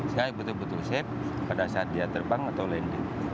saya betul betul safe pada saat dia terbang atau landing